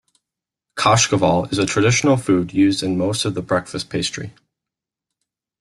Kashkaval is a traditional food used in most of the breakfast pastry.